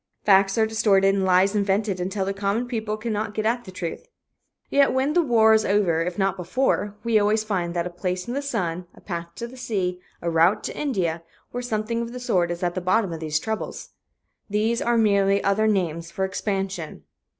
Facts are distorted and lies invented until the common people cannot get at the truth. Yet, when the war is over, if not before, we always find that "a place in the sun," "a path to the sea," "a route to India" or something of the sort is at the bottom of the trouble. These are merely other names for expansion.